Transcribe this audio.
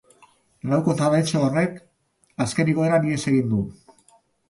Lauko taldetxo horrek azken igoeran ihes egin du.